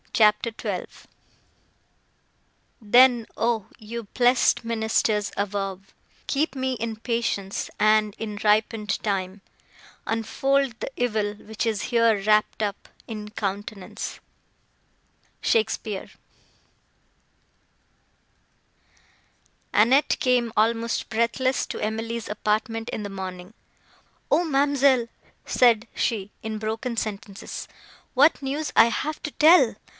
CHAPTER XII Then, oh, you blessed ministers above, Keep me in patience; and, in ripen'd time, Unfold the evil which is here wrapt up In countenance. SHAKESPEARE Annette came almost breathless to Emily's apartment in the morning. "O ma'amselle!" said she, in broken sentences, "what news I have to tell!